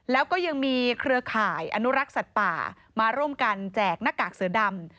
แล้วก็ยังมีเครือข่ายอนุรักษ์สัตว์ป่ามาร่วมกันแจกหน้ากากเสือดำ